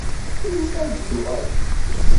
Melmi ad d-tuɣalemt?